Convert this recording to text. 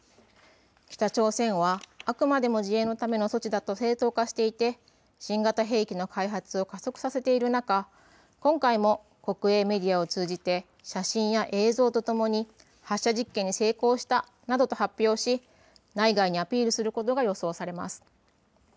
北朝鮮はあくまでも自衛のための措置だと正当化していて新型兵器の開発を加速させている中、今回も国営メディアを通じて写真や映像とともに発射実験に成功したなどと発表し内外にアピールすることが予想されます。